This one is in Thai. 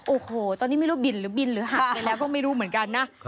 โอ้โหตอนนี้ไม่รู้บินหรือบินหรือหักไปแล้วก็ไม่รู้เหมือนกันนะ